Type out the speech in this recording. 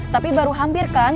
tapi baru hampir kan